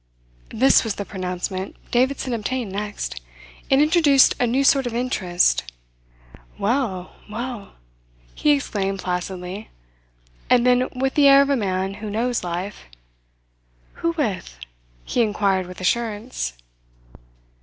This was the pronouncement Davidson obtained next. It introduced a new sort of interest. "Well! Well!" he exclaimed placidly; and then, with the air of a man who knows life: "Who with?" he inquired with assurance.